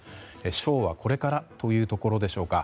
ショーはこれからというところでしょうか。